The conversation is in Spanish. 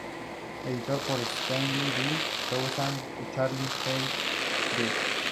Editado por Stanley D. Toussaint y Charles H. Dyer.